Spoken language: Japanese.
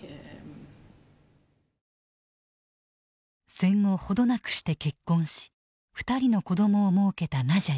戦後程なくして結婚し２人の子どもをもうけたナジャリ。